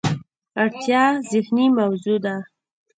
اړتیا ذهني موضوع ده.